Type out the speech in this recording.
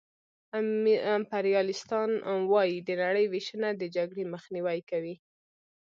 امپریالیستان وايي د نړۍ وېشنه د جګړې مخنیوی کوي